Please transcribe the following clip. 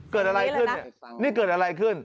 เกิดอะไรขึ้นเนี่ยนี่เกิดอะไรขึ้น